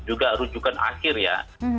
juga rujukan akhir ya